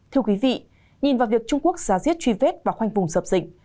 thưa quý vị nhìn vào việc trung quốc giá diết truy vết và khoanh vùng dập dịch